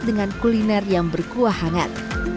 dengan kuliner yang berkuah hangat